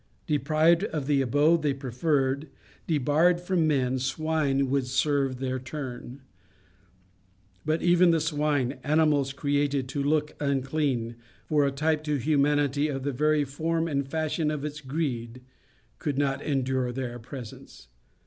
Deprived of the abode they preferred, debarred from men, swine would serve their turn. But even the swine animals created to look unclean, for a type to humanity of the very form and fashion of its greed could not endure their presence.